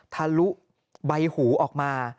ทะลุใบหูออกมา